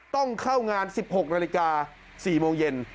ต้องเข้างาน๑๖นาฬิกา๔โมงเย็น